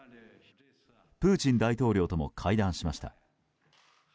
プーチン大統領とも会談しました。